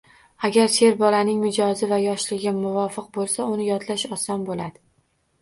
Agar sheʼr bolaning mijozi va yoshiga muvofiq bo‘lsa, uni yodlash oson bo‘ladi.